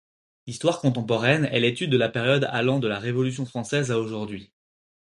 L'histoire contemporaine est l'étude de la période allant de la Révolution française à aujourd'hui.